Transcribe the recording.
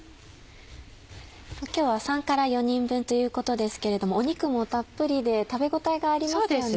今日は３から４人分ということですけれどもお肉もたっぷりで食べ応えがありますよね。